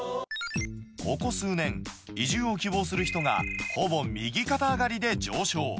ここ数年、移住を希望する人がほぼ右肩上がりで上昇。